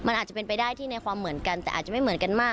มันอาจจะเป็นไปได้ที่ในความเหมือนกันแต่อาจจะไม่เหมือนกันมาก